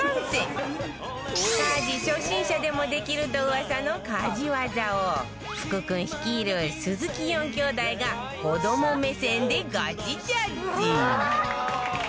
家事初心者でもできるとうわさの家事ワザを福君率いる鈴木４兄弟が子ども目線でガチジャッジ